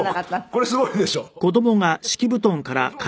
これすごいでしょ？ハハハ。